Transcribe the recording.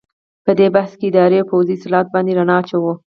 په دې بحث کې اداري او پوځي اصلاحاتو باندې رڼا اچوو.